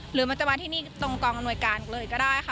หรือมันจะมาที่นี่ตรงกองอำนวยการเลยก็ได้ค่ะ